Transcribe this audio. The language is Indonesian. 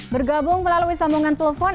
bergabung melalui sambungan telepon